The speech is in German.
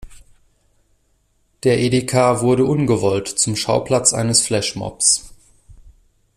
Der Edeka wurde ungewollt zum Schauplatz eines Flashmobs.